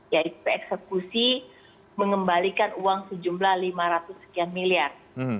yaitu eksekusi mengembalikan uang sejumlah lima ratus sekian miliar